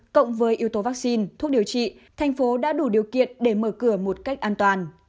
cộng với yếu tố vaccine thuốc điều trị thành phố đã đủ điều kiện để mở cửa một cách an toàn